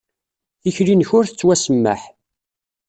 Tikli-nnek ur tettwasemmaḥ.